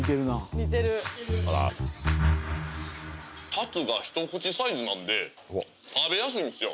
あざっすカツがひと口サイズなんで食べやすいんですよ